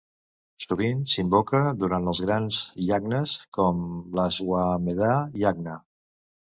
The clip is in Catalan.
Sovint s'invoca durant els grans yagnas, com l'Ashwamedha yagna.